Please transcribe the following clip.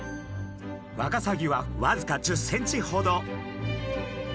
ワカサギはわずか１０ｃｍほど。